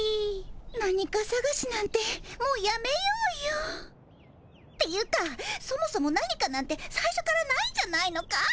何かさがしなんてもうやめようよっていうかそもそも何かなんてさいしょからないんじゃないのかい。